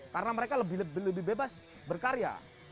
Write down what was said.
karena mereka lebih bebas berkarya